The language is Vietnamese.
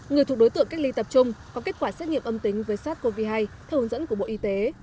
người thuộc đối tượng cách ly tập trung có kết quả xét nghiệm âm tính với sars cov hai theo hướng dẫn của bộ y tế